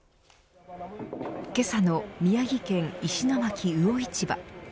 けさの宮城県の石巻魚市場。